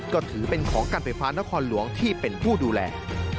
ก็ถือเป็นของการไฟฟ้านครหลวงที่เป็นผู้ดูแล